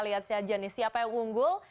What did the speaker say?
lihat saja nih siapa yang unggul